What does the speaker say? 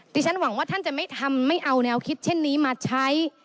ที่ฉันหวังว่าท่านจะไม่ทำไม่เอาแนวคิดเช่นนี้มาใช้